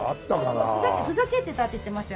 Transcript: ふざけてたって言ってました